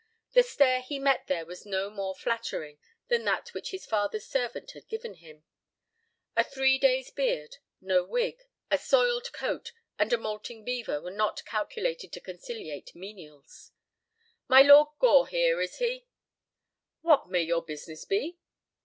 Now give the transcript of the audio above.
The stare he met there was no more flattering than that which his father's servant had given him. A three days' beard, no wig, a soiled coat, and a moulting beaver were not calculated to conciliate menials. "My Lord Gore is here?" "What may your business be?"